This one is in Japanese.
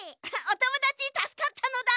おともだちたすかったのだ！